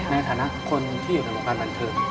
ในฐานะคนที่อยู่ในเองประกันบันเทิด